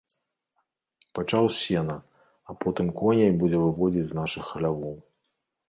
Пачаў з сена, а потым коней будзе выводзіць з нашых хлявоў.